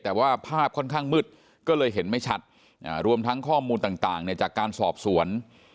แต่ว่าภาพค่อนข้างมืดก็เลยเห็นไม่ชัดรวมทั้งข้อมูลต่างจากการสอบสวน